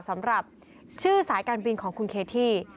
สำหรับชื่อสายการบินของคุณเคที่